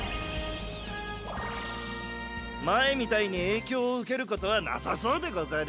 前みたいに影響を受けることはなさそうでござる。